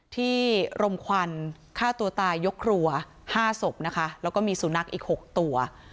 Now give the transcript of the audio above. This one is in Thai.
ที่รมควรฆ่าตัวตายยกครัว๕ศพแล้วก็มีสูนักอีก๖ตัว